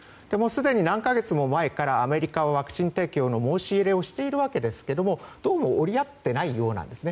すでに何か月も前からアメリカはワクチン提供の申し入れをしているわけですがどうも折り合っていないようです。